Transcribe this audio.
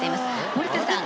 森田さん